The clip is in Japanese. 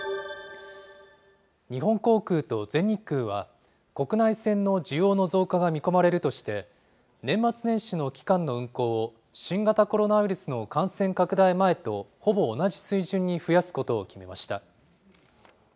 日本航空と全日空は、国内線の需要の増加が見込まれるとして、年末年始の期間の運航を、新型コロナウイルスの感染拡大前とほぼ同じ水準に増やすことを決めました。